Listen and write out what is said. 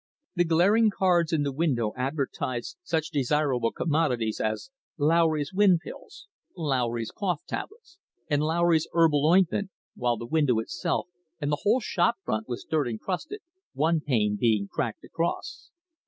The glaring cards in the window advertised such desirable commodities as "Lowry's Wind Pills," "Lowry's Cough Tablets," and "Lowry's Herbal Ointment," while the window itself and the whole shop front was dirt encrusted, one pane being cracked across.